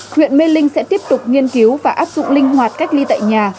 huyện mê linh sẽ tiếp tục nghiên cứu và áp dụng linh hoạt cách ly tại nhà